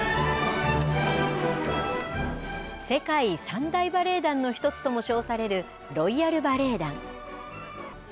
世界３大バレエ団の１つとも称されるロイヤル・バレエ団。